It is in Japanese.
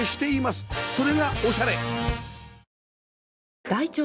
それがオシャレ